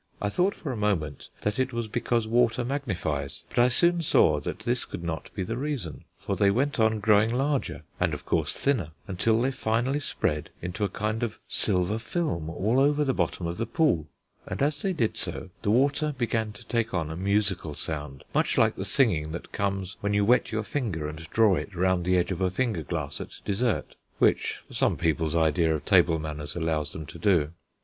I thought for a moment that it was because water magnifies, but I soon saw that this could not be the reason, for they went on growing larger, and of course thinner, until they finally spread into a kind of silver film all over the bottom of the pool; and as they did so the water began to take on a musical sound, much like the singing that comes when you wet your finger and draw it round the edge of a finger glass at dessert (which some people's idea of table manners allows them to do).